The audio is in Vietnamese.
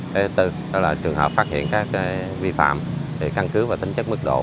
thứ tư đó là trường hợp phát hiện các vi phạm về căn cước và tính chất mức độ